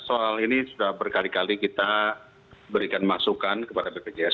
soal ini sudah berkali kali kita berikan masukan kepada bpjs